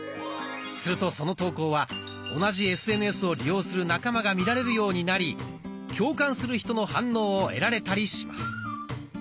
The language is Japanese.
するとその投稿は同じＳＮＳを利用する仲間が見られるようになり共感する人の反応を得られたりします。